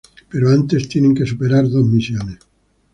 Pero antes tienen que superar dos misiones.